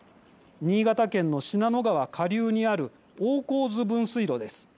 新潟県の信濃川下流にある大河津分水路です。